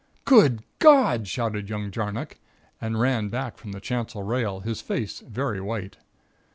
"Good God!" shouted young Jarnock, and ran back from the chancel rail, his face very white.